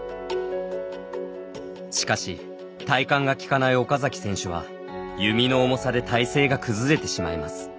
しかし、体幹がきかない岡崎選手は弓の重さで体勢が崩れてしまいます。